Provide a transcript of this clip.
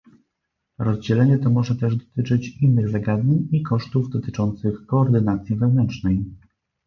Rozdzielenie to może też dotyczyć innych zagadnień i kosztów dotyczących koordynacji wewnętrznej